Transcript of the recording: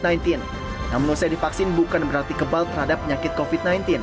namun usai divaksin bukan berarti kebal terhadap penyakit covid sembilan belas